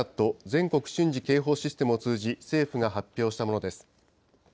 ・全国瞬時警報システムを通じ、政府が発表したものです。